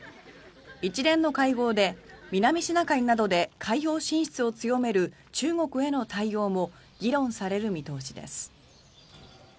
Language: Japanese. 一連の会合で南シナ海などで海洋進出を強める中国への対応も議論される見通しです。